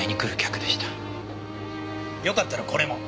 よかったらこれも。